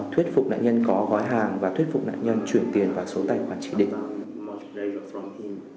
thuyết phục nạn nhân có gói hàng và thuyết phục nạn nhân chuyển tiền vào số tài khoản chỉ định